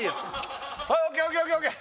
はいＯＫＯＫＯＫＯＫ